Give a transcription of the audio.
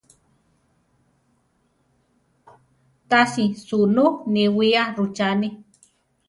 Tási sunú niwía rucháni.